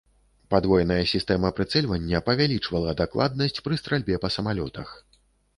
Падвойная сістэма прыцэльвання павялічвала дакладнасць пры стральбе па самалётах.